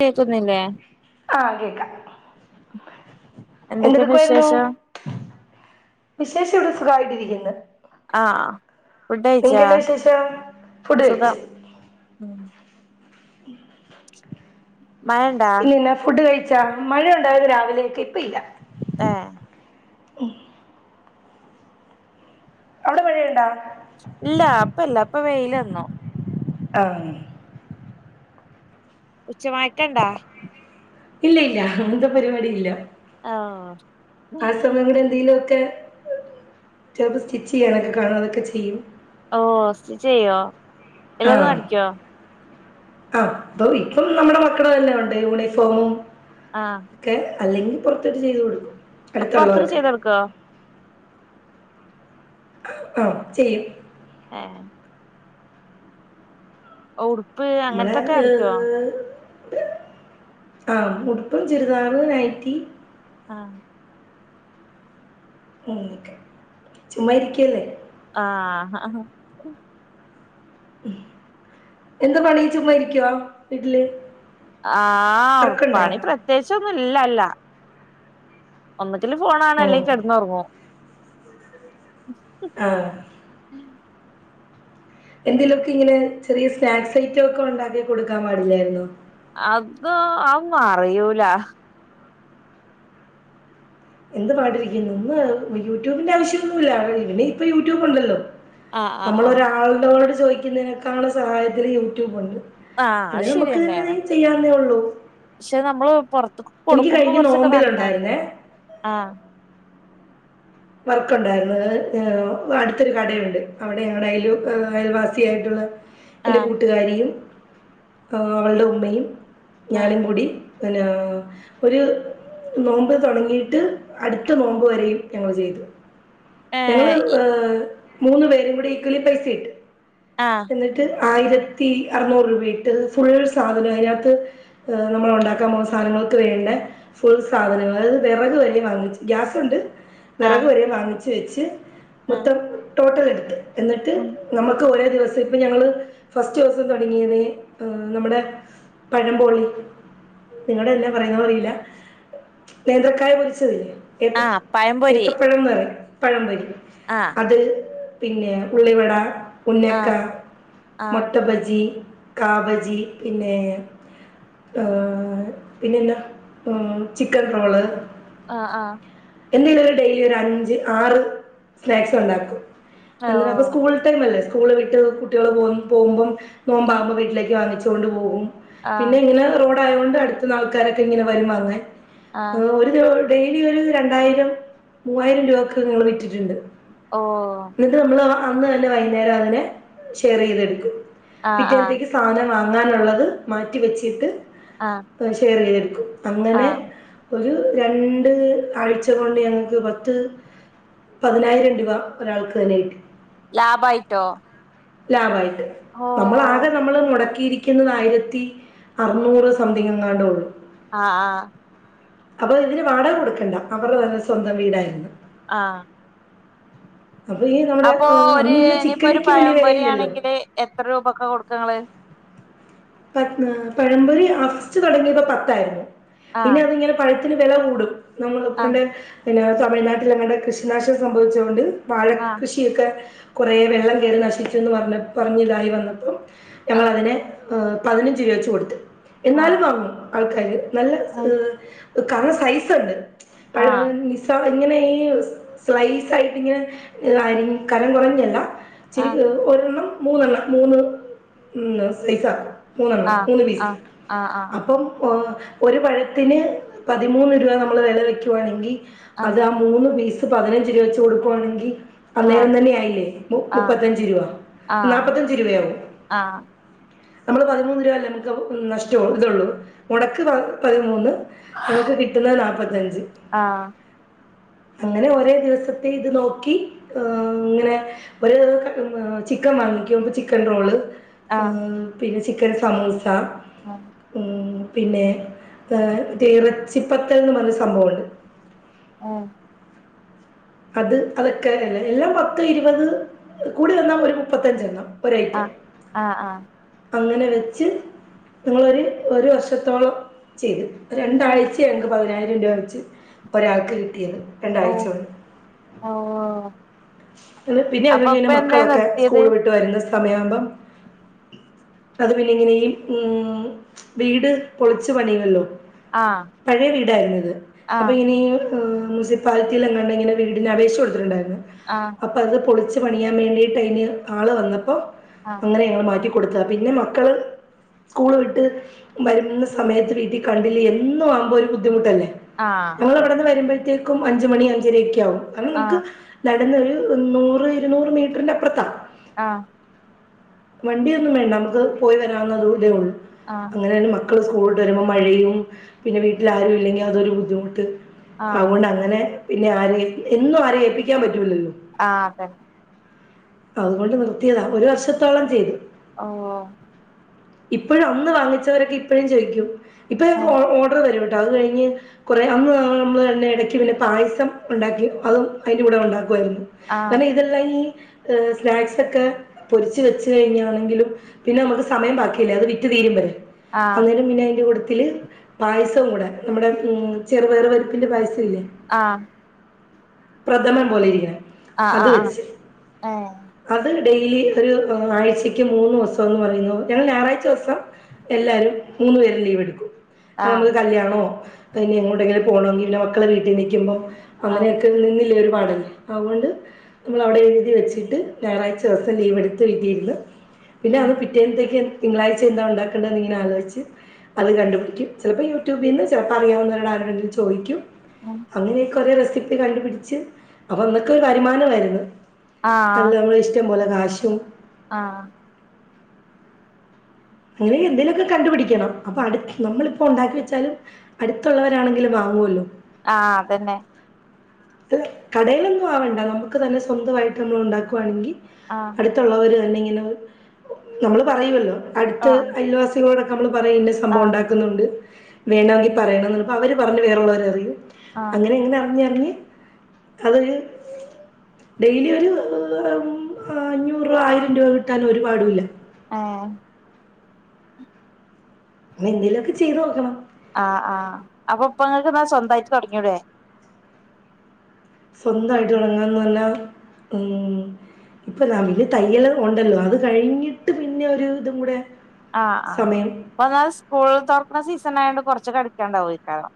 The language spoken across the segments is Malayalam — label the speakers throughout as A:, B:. A: കേക്കുന്നില്ലേ?
B: ആഹ് കേക്കാം
A: എന്തൊക്കെയുണ്ട്
B: എന്തെടുക്കുവായിരുന്നു?
A: വിശേഷം
B: വിശേഷക്കെ സുഖായിട്ടിരിക്കുന്ന്.
A: ആഹ് ഫുഡഴിച്ചാ
B: എന്താ വിശേഷം ഫുഡ് കഴിച്ചു
A: സുഖം. മഴണ്ടാ
B: ഇല്ലില്ല ഫുഡ് കഴിച്ചാ മഴ ഒണ്ടായിരുന്നു രാവിലെയെക്കെ ഇപ്പ ഇല്ല.
A: ഏഹ്
B: അവിടെ മഴയൊണ്ടോ?
A: ഇല്ല അപ്പല്ല അപ്പ വെയിലന്നു.
B: ആഹ്
A: ഉച്ച മയക്കണ്ടാ?
B: ഇല്ല ഇല്ല അങ്ങൻത്തെ പരിപാടി ഇല്ല
A: ആഹ്
B: ആഹ് സമയം കൂടെ എന്തെലുവൊക്കെ ചെലപ്പോ സ്റ്റിച്ച് ചെയ്യാനൊക്കെ കാണും അതൊക്കെ ചെയ്യും.
A: ഓ സ്റ്റിച്ചെയ്യോ?
B: ആഹ് ആഹ് അപ്പൊ എനിക്കോന്നു നമ്മടെ മക്കളെതെല്ലാം ഒണ്ട് യൂണിഫോമും
A: ആഹ്
B: ക്കെ അല്ലെങ്കി പുറത്തോട്ട് ചെയ്ത് കൊടുക്കും.
A: പൊറത്തൊക്കെ
B: അടുത്തുള്ളവർക്കൊക്കെ
A: ചെയ്തൊടുക്കോ?
B: ആഹ് ചെയ്യും.
A: ഏഹ് ഓടു
B: മ്മളെ ഏഹ്. ആഹ് ഉടുപ്പും, ചുരിദാറ്, നയ്റ്റി
A: ആഹ്
B: അങ്ങനൊക്കെ ചുമ്മ ഇരിക്കല്ലേ?
A: ആഹ് അഹാ
B: എന്താ പണി ചുമ്മ ഇരിക്കുവൊ വീട്ടില്?
A: ആഹ്
B: വർക്കുണ്ടാ
A: പണി പ്രത്യേകിച്ചൊന്നും ഇല്ലല്ല. ഒന്നുങ്കിൽ ഫോണാണ്
B: ഉം
A: അല്ലെങ്കി കെട്ന്ന് ഒറ്ങ്ങും.
B: ആഹ് എന്തേലുക്കെ ഇങ്ങനെ ചെറിയ സ്നാക്സ് ഐറ്റം ഒക്കെ ഒണ്ടാക്കി കൊടുക്കാൻ പാടില്ലായിരുന്നോ?
A: അത് ഒന്നും അറിയൂല.
B: എന്ത് പാടിരിക്കുന്നു ഒന്ന് യൂട്യൂബിന്റെ ആവശ്യമൊന്നുമില്ല ഇനിഇപ്പ യൂട്യൂബ് ഉണ്ടല്ലോ?
A: ആഹ് ആഹ്
B: നമ്മൾ
A: ആഹ്
B: ഒരാളിനോട് ചോയ്ക്കുന്നതിനെക്കാൾ സഹായത്തിന് യൂട്യൂബ് ഒണ്ട്.
A: ആഹ്
B: അല്ലെ ന്നമുക്ക് തന്നെ ചെയ്യാവുന്നെ ഒള്ളു.
A: ക്ഷെ ന്നമ്മള് പൊർത്ത്ക്ക് കൊടുക്കുമ്പോ
B: കഴിഞ്ഞ
A: കുർച്ചൊക്കെ ന്നന്നാണ്ടെ
B: നോമ്പിലുണ്ടായിരുന്നേ
A: ആഹ്
B: വക്കെണ്ടായിരുന്നു ഏഹ് അടുത്തൊരു കടയുണ്ട് അവിടെ ഞങ്ങടെ അയലു അയൽവാസി ആയിട്ടുള്ള എൻ്റെ
A: ആഹ്
B: കൂട്ടുകാരിയും അവള്ടെ ഉമ്മയും
A: ആഹ്
B: ഞാനുംകൂടിം പിന്നാ ഒര് നോമ്പ് തുടങ്ങിയിട്ട് അടുത്ത നോമ്പ് വെരെയും ഞങ്ങൾ ചെയ്തു ഞങ്ങള്
A: ഏഹ് ഇ
B: ഏഹ് മൂന്ന് പേരുംകൂടി ഈക്വലി പെയ്സ ഇട്ടു.
A: ആഹ്
B: എന്നിട്ട് ആയിരത്തി അർനൂറ് രൂപെയിട്ട് ഫുൾ സാധനം അയ്നകത്ത് ഏഹ് ന്നമ്മള് ഒണ്ടാക്കാൻ പോവുന്ന സധനങ്ങൾക്ക് വേണ്ട ഫുൾ സാധനം അത് വിറക് വെരെ വാങ്ങിച്ചു ഗ്യാസുണ്ട്. വെറെക്
A: ആഹ്
B: വെരെ വാങ്ങിച്ച് വെച്ച്
A: ആഹ്
B: മൊത്തം ട്ടോട്ടേൽ എടുത്ത് എന്നിട്ട്
A: ഉം
B: നമ്മക്ക് ഒരേ ദിവസം ഇപ്പൊ ഞങ്ങള് ഫസ്റ്റൂസം തുടങ്ങിയത് ഏഹ് നമ്മടെ പഴംമ്പോളി നിങ്ങളെന്നാ പറയുന്നെ അറിയില്ല. നേത്രക്കായ പൊരിച്ചതില്ലേ? ഏത്ത
A: ആഹ് പഴംപൊരി
B: ഏത്തപ്പഴം പറയും പഴംപ്പൊരി.
A: ആഹ്
B: അത് പിന്നെ ഉള്ളിവട, ഉുന്നക്ക,
A: ആഹ് ആഹ്
B: മൊട്ടബജി. കാബജി പിന്നെ ആഹ് പിന്നെന്നാ ചിക്കെൻറോള്.
A: ആഹ്, ആഹ്
B: എന്തെങ്കിലും ഒരു ഡെയ്ലി ഒരു അഞ്ച് ആറ് സ്നാക്സ് ഉണ്ടാക്കും എന്താപ്പ
A: ഓഹ്
B: സ്കൂൾ ട്ടയ്മല്ലെ സ്കൂള് വിട്ട് കുട്ടികൾ പോവു പോകുമ്പോ
A: ആഹ്
B: നോമ്പാകുമ്പോ വീട്ടിലേക്ക് വാങ്ങിചോണ്ട് പോകും. പിന്നെ
A: ആഹ്
B: ഇങ്ങനെ റോഡായോണ്ട് അടുത്ത്ന്ന് ആൾക്കാരൊക്കെ ഇങ്ങനെ വരുമങ്
A: ആഹ്
B: ഹ് ഒര് ഡെയ്ലി ഒര് രണ്ടായിരം മൂവായിരം രൂപക്ക് ഞങ്ങൾ വിറ്റിട്ടുണ്ട്.
A: ഓഹ്
B: ന്നട്ട് ന്നമ്മള് അന്ന് തന്നെ വൈകുന്നേരം തന്നെ ഷെയെർ ചെയ്തെടുക്കും
A: ആഹ് ആഹ്
B: പിറ്റെതിക്ക് സാനം വാങ്ങാനുള്ളത് മാറ്റിവെച്ചിട്ട്
A: ആഹ്
B: ഷെയർ ചെയ്തെടുക്കും അങ്ങനെ
A: ആഹ്
B: ഒരു രണ്ട് ആഴ്ച റ്റതോണ്ട് ഞങ്ങൾക്ക് പത്ത് പതിനായിരം രൂപ ഒരാൾക്ക് തന്നെകിട്ടി.
A: ലാഭായിട്ടോ?
B: ലാഭയിട്ട്
A: ഓ
B: ന്നമ്മളാകെ ന്നമ്മള് മൊടക്കിയിരിക്കുന്നത് ആയിരത്തി അർന്നൂറ് സംതിങ് എങ്ങാണ്ട് ഒള്ളു.
A: ആഹ്, ആഹ്
B: അപ്പൊ ഇതിന് വാടകകൊടുക്കണ്ട അവരുടെതന്നെ സ്വന്തംവീടായിരുന്നു.
A: ആഹ്
B: അപ്പൊ ഇതാ
A: അപ്പൊ ഒരു ഇനിയിപ്പോ ഒരു പയംപൊരി
B: വിലയില്ലല്ലോ
A: ആണെങ്കില് എത്ര രൂപ ക്ക കൊടുക്ക ഇ ങ്ങള്?
B: പ പഴമ്പൊരി ഫസ്റ്റ് തുടങ്ങിയപ്പോ പത്തായിരുന്നു പിന്നെ
A: ആഹ്
B: അതിങ്ങനെ- പഴത്തിന് വില കൂടും നമ്മൾ
A: ആഹ്
B: ഇപ്പണ്ട് പിന്നെ തമിഴ്നാട്ടിൽ അങ്ങടെ കൃഷിനാശം സംഭവിച്ചത് കൊണ്ട് വാഴ
A: ആഹ്
B: കൃഷിയൊക്കെ കൊറെ വെള്ളം കയറി നശിച്ചുന്ന് പറഞ്ഞ പറഞ്ഞ ഇതായി വന്നപ്പോം
A: ആഹ്
B: ഞങ്ങളതിനെ ഹ് പതിനഞ്ച് രൂപ വെച്ച് കൊടുത്ത് എന്നാലും വാങ്ങും ആൾക്കാര് നല്ല
A: ആഹ് ഏഹ്
B: കറണ സൈസുണ്ട് പഴം
A: ആഹ്
B: ഇങ്ങനെ ഈ സ്ലൈസ് ആയിട്ട് ഇങ്ങനെ കനം കുറഞ്ഞല്ല ച്ചിരി
A: ആഹ്
B: ഒരെണ്ണം മൂന്നെണ്ണം മൂന്ന് സൈസ ആക്കും മൂന്നെണ്ണം
A: ആഹ്
B: മൂന്ന് പീസ്
A: ആഹ് ആഹ്
B: അപ്പം ഒരു പഴത്തിന് പതിമൂന്ന് രൂപ നമ്മൾ വില വെക്കുവാണെങ്കിൽ
A: ആഹ്
B: അത്- മൂന്ന് പീസ് പതിനഞ്ച് രൂപാവെച്ച് കൊടുക്കുവാണെങ്കിൽ അന്നേരം തന്നെ ആയില്ലേ മു
A: ആഹ്
B: മുപ്പത്തഞ്ച് രൂപ നാപ്പത്തഞ്ച് രൂപയാവു
A: ആ
B: നമ്മള് പതിമൂന്ന് രൂപല്ലേ നമുക്ക് നഷ്ടവും ഇതള്ളൂ മുടക്ക് പതിമൂന്ന് നമുക്ക് കിട്ടുന്ന നാല്പ്പത്തഞ്ച് അങ്ങനെ ഒരേ ദിവസത്തെ ഇത് നോക്കി ഏഹ് ഇങ്ങനെ ഒരേ ചിക്കൻ വാങ്ങികചിക്കൻ റോള്
A: ആഹ് ആഹ്
B: പിന്നെ ചിക്കൻ സമൂസ
A: ആഹ്
B: ഉ പിന്നെ ഇറച്ചിപ്പത്തൽ എന്ന് പറഞ്ഞ സംഭവമുണ്ട്
A: ആഹ്
B: അത് അതൊക്കെല്ല എല്ലാ പത്ത് ഇരുപത് കൂടി വന്നൽ ഒരു മുപ്പത്തഞ്ചെണ്ണം ഒരഐറ്റം
A: ആഹ് ആഹ് ആഹ്
B: അങ്ങനെ വെച്ച് നിങ്ങളരു ഒരു വർഷത്തോളം ചെയ്ത് രണ്ടാഴ്ച ഞങ്ങൾക്ക് പതിനായിരം രൂപ വെച്ച് ഒരാൾക്ക് കിട്ടിയത്
A: ഓ
B: രണ്ടാഴ്ച കൊണ്ട്
A: ഓ
B: പിന്നെ
A: അപ്പൊ ഇപ്പ
B: [unintelligible]
A: എന്താ
B: മക്കളൊക്കെ
A: നിർത്തിയത്
B: സ്കൂള് വിട്ടുവരുന്ന സമയാകുമ്പം അത് പിന്നെ ഈ ഉം വീട് പൊളിച്ചു പണിയുവല്ലോ
A: ആഹ്
B: പഴയ വീടാരുന്നിത് അപ്പൊ
A: ആഹ്
B: ഈ മുൻസിപ്പാലിറ്റിലെങ്ങാണ്ട് ഇങ്ങനെ വീടിന് അപേക്ഷ കൊടുത്തിട്ടുണ്ടാരുന്നു
A: ആഹ്
B: അപ്പ അത് പൊളിച്ച് പണിയാൻ വേണ്ടിട്ട് അതിന് ആള് വന്നപ്പം
A: ആഹ്
B: അങ്ങനെ ഞങ്ങള് മാറ്റി കൊടുത്ത പിന്നെ മക്കള് സ്കൂൾ വിട്ട് വരുന്ന സമയത്ത് വീട്ടി കണ്ടില്ലേ എന്നും ആകുമ്പോ ഒരു ബുദ്ധിമുട്ടല്ലേ
A: ആഹ്
B: ഞങ്ങൾ
A: അതന്നെ
B: ഇവിടെന്ന് വരുമ്പോഴത്തേക്കും അഞ്ചു മണി അഞ്ചരൊക്ക ആകും കാരണം നമുക്ക്
A: ആഹ്
B: നടന്ന് ഒരു നൂറ് ഇരുനൂറ് മീറ്ററിൻ്റെ അപ്പുറത്താ
A: ആഹ്
B: വണ്ടിയൊന്നും വേണ്ട നമുക്ക് പോയി വരാവുന്ന ദൂരെ ഉള്ളൂ
A: ആഹ്
B: അങ്ങനെയാണ് മ ക്കള് സ്കൂള്ട്ട് വരുമ്പോ മഴയും പിന്നെ വീട്ടിലാരും ഇല്ലെങ്കി അതൊരു ബുദ്ധിമുട്ട് അതുകൊണ്ട് അങ്ങനെ പിന്നെ ആരെയും എന്നും ആരെയും ഏൽപ്പിക്കാ പറ്റൂലല്ലോ
A: ആഹ് അതന്നെ
B: അതുകൊണ്ട് നിർത്തിയതാ ഒരു വർഷത്തോളം ചെയ്തു
A: ഓഹ് ഓഹ്
B: ഇപ്പോഴും അന്ന് വാങ്ങിച്ചവരൊക്കെ ഇപ്പോഴും ചോദിക്കും ഇപ്പൊ ഞങ്ങക്ക്
A: ഏഹ്
B: ഓർഡർ തരും കേട്ടോ അത് കഴിഞ്ഞ് കുറെ അന്ന് നമ്മള് തന്നെ ഇടക്ക് പിന്നെ പായസം ഉണ്ടാക്കി അതും അയിന്റെ കൂടെ ഉണ്ടാക്കുവായിരുന്നു
A: ആഹ്
B: കാരണം ഇതെല്ലാം [unintelligible] സ്നാക്സ് ഒക്കെ പൊരിച്ചു വെച്ച് കഴിഞ്ഞാണെങ്കിലും പിന്നെ നമുക്ക് സമയം ബാക്കി ല്ല അത് വിറ്റ് തീരും വരെ
A: ആഹ്
B: അന്നേരം പിന്നയിൻ്റെ കൂട്ടത്തില് പായസവും കൂടെ നമ്മുടെ ഉം ചെറുപയർ പരിപ്പിൻ്റെ പായസം ഇല്ലേ
A: ആഹ്
B: പ്രഥമൻ പോലെ ഇരിക്കുന്നെ അത്
A: ആഹ് ആഹ് ആഹ്
B: വെച്ച്
A: ഏഹ്
B: അത് ഡെയിലി ഒരു ആഴ്ചയ്ക്ക് മൂന്ന് ദിവസം എന്ന് പറഞ്ഞു ഞങ്ങള് ഞായറാ [unintelligible] ദിവസം എല്ലാരും മൂന്നു പേരും ലീവ് എടുക്കും ആഹ് നമ്മുക്ക് കല്യാണോ പിന്നെ എങ്ങോട്ടെങ്കിലും പോണോങ്കിലും പിന്നെ മക്കളെവീട്ടി നിക്കുമ്പം
A: ആഹ്
B: അങ്ങനെയൊക്കെ നിന്നില്ലേ ഒരു പാടല്ലേ അതുകൊണ്ട് നമ്മൾ അവിടെ എഴുതി വെച്ചിട്ട് ഞായറാഴ്ച ദിവസം ലീവ് എടുത്ത് വീട്ടി ഇരുന്ന് പിന്നെ അത്
A: ആഹ്
B: പിറ്റേന്നത്തേക്ക് തിങ്കളാഴ്ച എന്താ ഉണ്ടാക്കേണ്ടന്ന് ഇങ്ങനെ ആലോചിച്ച് അത് കണ്ടു പിടിക്കും ചിലപ്പോൾ യൂട്യൂബിൽ നിന്ന് ചിലപ്പോൾ അറിയാവുന്നവരാരോടെങ്കിലും ചോദിക്കും അങ്ങനെ കുറെേ റെസിപ്പി കണ്ടുപിടിച്ച് അപ്പൊ അന്നൊക്ക വരുമാനമാരുന്നു
A: ആഹ്
B: [unintelligible] ഇഷ്ടംപലെ കാശും
A: ആഹ്
B: അങ്ങനെ എന്തേലുവൊക്കെ കണ്ടുപിടിക്കണം അപ്പൊ അടു നമ്മളിപ്പോ ഒണ്ടാക്കി വെച്ചാലും അടുത്തുള്ളവരാണെങ്കിലും വാങ്ങുവല്ലോ
A: ആഹ് അതന്നെ
B: അല്ല കടയിലൊന്നും ആവണ്ട നമുക്ക് തന്നെ സ്വന്തവായിട്ട് നമ്മൾ ഉണ്ടാക്കുവാണെങ്കി
A: ആഹ്
B: [unintelligible] തന്നെ ഇങ്ങനെ നമ്മള് പറയുവല്ലോ അടുത്ത
A: ആഹ്
B: അയൽവാസികളോടൊക്കെ നമ്മള് പറയും ഇന്ന സംഭവം
A: ആഹ്
B: ഉണ്ടാക്കുന്നൊണ്ട് വേണമെങ്കിൽ പറയണം അവര് പറഞ്ഞ് വേറൊള്ളൊരറിയും
A: ആഹ്
B: അങ്ങനെ എങ്ങനെ അറിഞ്ഞറിഞ്ഞ് അതൊരു ഡെയിലി ഒരു ഉം അഞ്ഞൂറോ ആയിരം രൂപ കിട്ടാനോ ഒരുപാടുല്ല
A: ആഹ
B: എന്തലൊക്കെ ചെയ്ത് നോക്കണം
A: ആ് ആ് അപ്പൊ ഇപ്പങ്ങൾക്ക് എന്നാ സ്വന്തമായിട്ട് തുടങ്ങിടേ
B: സ്വന്തായിട്ട് തുടങ്ങാന്ന് നല്ലാ ഉ ഇപ്പൊ ന [unintelligible] തയ്യല് ഉണ്ടല്ലോ അത് കഴിഞ്ഞിട്ട് പിന്നെ ഒരു ഇതും കൂടെ
A: ആഹ് ആ്
B: സമയം
A: അപ്പ ന്നാൽ സ്കൂൾ തുറക്കുന്ന സീസൺ ആയണ്ട് കുറച്ച് ക്കെ അടിക്കാണ്ടാവും ഇക്കാരം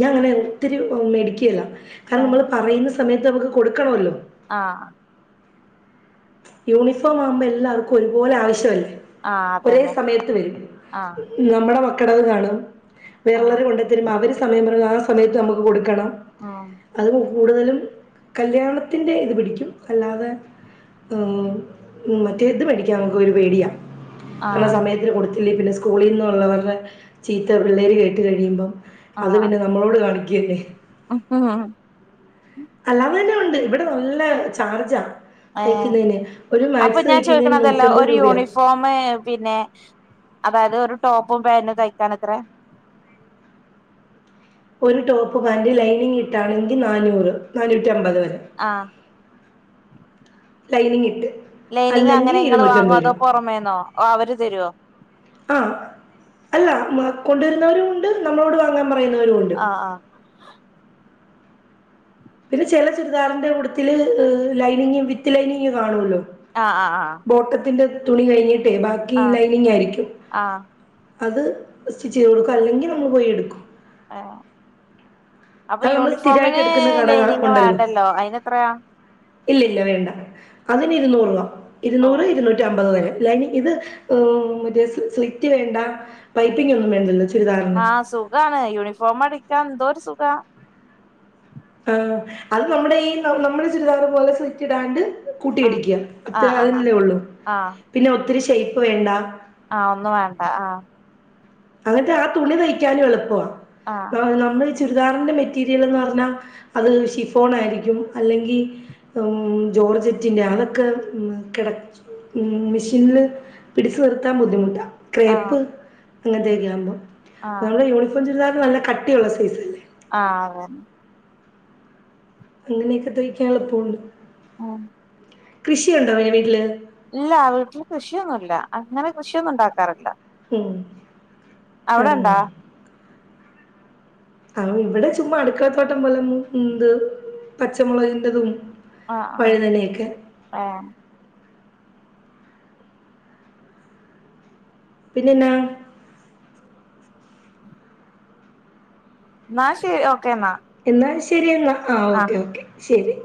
B: ഞാൻ അങ്ങനെ ഒത്തിരി മേടിക്കല്ല കാരണം
A: ഏഹ്
B: നമ്മൾ പറയുന്ന സമയത്ത് നമുക്ക് കൊടുക്കണല്ലോ
A: ആഹ
B: യൂണിഫോം ആവുമ്പോ എല്ലാവർക്കും ഒരുപോലെ ആവശ്യമല്ലേ
A: ആഹ്
B: ഒരേ
A: അതന്നെ
B: സമയത്ത് വരും
A: ആഹ്
B: നമ്മുടെ മക്കട കാണും
A: ആഹ്
B: വേറള്ളവരെ കൊണ്ടുത്തരുമ്പോൾ അവര് സമയം പറഞ്ഞ ആ സമയത്ത് നമുക്ക് കൊടുക്കണം.
A: ആ
B: അത് കൂടുതലും കല്യാണത്തിൻ്റെ ഇത് പിടിക്കും അല്ലാതെ മറ്റേത് മേടിക്കാൻ നക്ക് ഒരു പേടിയാ കാരണം
A: ആഹ്
B: സമയത്തിന് കൊടുത്ത് പിന്നെ സ്കൂളിൽ നിന്നള്ളവരുടെ ചീത്ത പിള്ളേര് കേട്ട് കഴിയുമ്പം അത്
A: ആഹ്
B: പിന്നെ നമ്മളോട് കാണിക്കും. [unintelligible]
A: ആഹ്
B: അല്ലാ തന്നെ ഉണ്ട് ഇവിടെ നല്ല ചാർജാ
A: ഏഹ്
B: തയ്ക്കുന്നതിന് ഒരു മാക്സി തയ്ക്കുന്നതിന് നൂറ്റമ്പത് രൂപയാ
A: ഫോമ് പിന്നെ അതായത് ഒരു ടോപ്പും പാൻറും തയ്ക്കാൻ എത്ര?
B: ഒരു ടോപ്പ് പാന്റ് ലൈനിങ് ഇട്ടുകയാണെങ്കിൽ നാനൂറ് നാനൂറ്റി അമ്പത് വരെ
A: ആ
B: ലൈനിങ് ഇട്ട്
A: ലൈനിങ് അങ്ങനെ
B: അല്ലെങ്കി
A: നിങ്ങൾ വാങ്ങുവോ? അതോ
B: രൂപ.
A: പുറമേന്നോ ഓ അവര് തരുവോ
B: ആ അല്ല കൊണ്ടുവരുന്നവരും ഉണ്ട് നമ്മളോട് വാങ്ങാൻ പറയുന്നവരും ഉണ്ട്.
A: ആഹ്
B: പിന്നെ ചില ചുരിദാറിന്റെ കൂട്ടത്തില് ലൈനിങ്ങ് വിത്ത് ലൈനിങ് കാണുള്ളു
A: ആഹ ആ് ആ
B: ഓട്ടത്തിന്റെ തുണി കഴിഞ്ഞിട്ടേ ബാക്കി
A: ആഹ്
B: ലൈനിങ് ആയിരിക്കും.
A: ആഹ്
B: അത് സ്റ്റിച്ച് ചേർക്കും അല്ലെങ്കിൽ നമ്മൾ പോയി എടുക്കും.
A: അപ്പൊ
B: അത് നമ്മള് സ്ഥിരായിട്ട്
A: യൂണിഫോമിന്
B: എടുക്കുന്ന കട കാ
A: ലൈനിങ്
B: ഉണ്ടല്ലോ.
A: വേണ്ടല്ലോ അയ്ന എത്രയാ?
B: ഇല്ല ഇല്ല വേണ്ട അതിന് ഇരുന്നൂറ് രൂപ
A: ഓ
B: ഇരുന്നൂറ് ഇരുന്നൂറ്റി. റ്റമ്പത് വരെ അല്ല ഇത് മറ്റ സ്ലിറ്റ് വേണ്ട പൈപ്പിംഗ് ഒന്നും വേണ്ടല്ലോ ചുരിദാറിന്
A: ആഹ സുഖാണ് യൂണിഫോമ ടിക്കാൻ എന്തോരു സുഖ
B: ആ അത് നമ്മുടെ ഇ നമ്മുടെ ചുരിദാറ് പോലെ സിറ്റിടാണ്ട്
A: ആഹ്
B: കൂട്ടിയിടിക്കുക അത്ര
A: ആഹ് ആഹ്
B: അല്ലേ ഉള്ളൂ പിന്നെ ഒത്തിരി ഷേയ്പ്പ് വേണ്ട
A: ആഹ ഒന്നും വേണ്ട ആ
B: അങ്ങനത്തെ ആ തുണി തയ്ക്കാനും എളുപ്പമാ
A: ആഹ്
B: നമ്മള് ചുരിദാറിന്റെ മെറ്റീരിയൽന്ന് പറഞ്ഞാ അത് ഷിഫോൺ ആയിരിക്കും അല്ലെങ്കിൽ ജോർജെറ്റിൻ്റെ അതൊക്കെ കിട ഉ മെഷീനില് പിടിച്ചു നിർത്താൻ ബുദ്ധിമുട്ടാണ്
A: ആഹ്
B: ക്രേപ്പ് അങ്ങനത്തെെയൊക്കെ യാവുമ്പോ
A: ആഹ്
B: നമ്മുടെ യൂണിഫോം ചുരിതാറ് നല്ല കട്ടിയുള്ള സൈസ്
A: ആ അതെ
B: അങ്ങനെയൊക്കെ തയ്ക്കാ എളുപ്പമുണ്ട്
A: മ്
B: കൃഷിയുണ്ടോെ വീട്ടില്?
A: ഇല്ല വീട്ടില് കൃഷിയൊന്നുല്ല അങ്ങനെ കൃഷിയൊന്നും ഉണ്ടാക്കാറില്ല
B: ഉം ആഹ്.
A: അവിടെണ്ടാ
B: ആഹ് ഇവിടെ ചുമ്മാ അടുക്കളത്തോട്ടം പോലെ ഉണ്ട് പച്ചമുളകിന്റേതും
A: ആഹ് ആഹ് ഏഹ്
B: പിന്നെ എന്താ
A: എന്നാ ശരി ഓക്കേ എന്നാ
B: എന്നാ ശരിയെന്നാ ആഹ്
A: ആ
B: ഓക്കേ ഓക്കെ ശരി